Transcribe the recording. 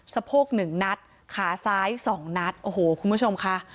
สะโพก๑นัดขาซ้าย๒นัดโอ้โหคุณผู้ชมค่ะ